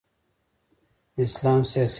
د اسلام سیاسی نظام